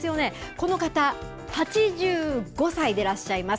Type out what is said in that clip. この方、何と８５歳でいらっしゃいます。